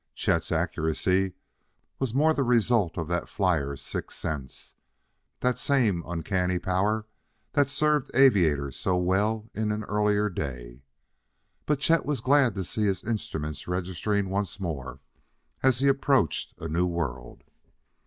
Chet's accuracy was more the result of that flyer's sixth sense that same uncanny power that had served aviators so well in an earlier day. But Chet was glad to see his instruments registering once more as he approached a new world.